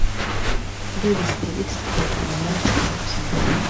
ყბების ქნევით ტკბებოდნენ. არ ჩქარობდნენ.